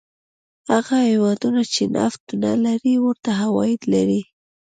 هغه هېوادونه چې نفت نه لري ورته عواید لري.